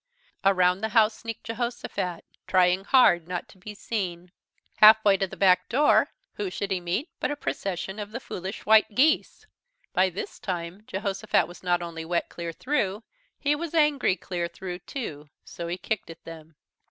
Around the house sneaked Jehosophat, trying hard not to be seen. Half way to the back door, who should he meet but a procession of the Foolish White Geese. By this time Jehosophat was not only wet clear through, he was angry clear through too, so he kicked at them.